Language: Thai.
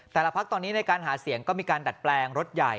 พักตอนนี้ในการหาเสียงก็มีการดัดแปลงรถใหญ่